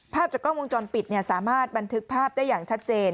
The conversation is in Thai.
ภาพจากกล้องวงจรปิดสามารถบันทึกภาพได้อย่างชัดเจน